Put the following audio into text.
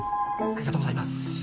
ありがとうございます。